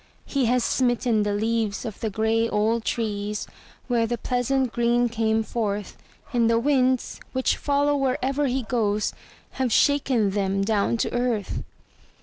He has smitten the leaves of the gray old trees where their pleasant green came forth, And the winds, which follow wherever he goes, have shaken them down to earth.